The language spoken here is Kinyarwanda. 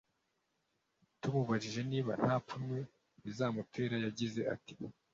tumubajije niba nta pfunwe bizamutera yagize ati